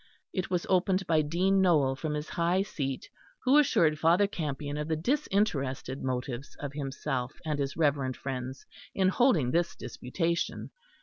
It was opened by Dean Nowell from his high seat, who assured Father Campion of the disinterested motives of himself and his reverend friends in holding this disputation.